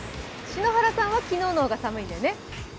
篠原さんは昨日の方が寒いんだよね？